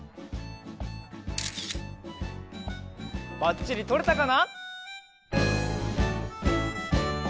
ばっちりとれたかな？